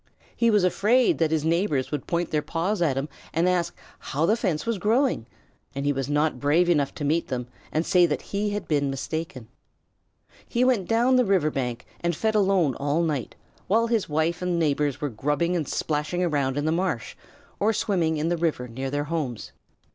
He was afraid that his neighbors would point their paws at him and ask how the fence was growing, and he was not brave enough to meet them and say that he had been mistaken. He went down the river bank and fed alone all night, while his wife and neighbors were grubbing and splashing around in the marsh or swimming in the river near their homes.